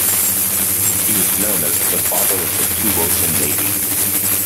He was known as "The Father of the Two-Ocean Navy".